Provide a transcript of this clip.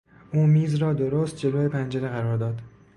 او میز را درست جلو پنجره قرار داد.